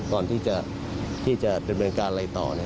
ก่อนที่จะที่จะเป็นบินการไรต่อนะครับ